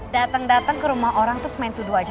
dateng dateng ke rumah orang terus main tuduh aja